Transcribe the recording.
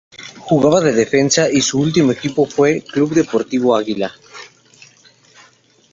Jugaba de defensa y su último equipo fue Club Deportivo Águila.